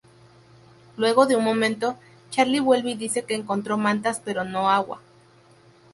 Luego de un momento, Charlie vuelve y dice que encontró mantas pero no agua.